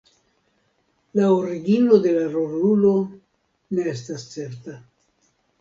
La origino de la rolulo ne estas certa.